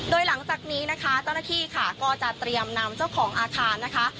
โดยหลังจากนี้นะคะเจ้าหน้าที่ค่ะก็จะเตรียมนำเจ้าของอาคารนะคะ